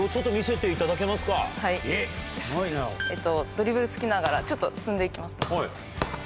ドリブルつきながらちょっと進んで行きます。